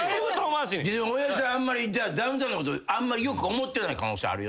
親父さんダウンタウンのことあんまり良く思ってない可能性あるよな。